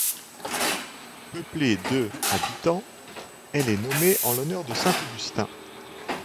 Peuplée de habitants, elle est nommée en l'honneur de saint Augustin.